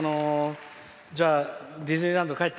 じゃあ、ディズニーランド帰って。